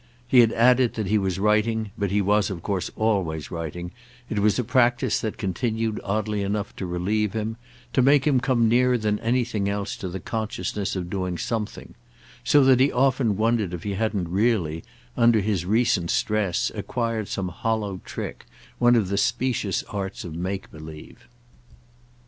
He had added that he was writing, but he was of course always writing; it was a practice that continued, oddly enough, to relieve him, to make him come nearer than anything else to the consciousness of doing something: so that he often wondered if he hadn't really, under his recent stress, acquired some hollow trick, one of the specious arts of make believe.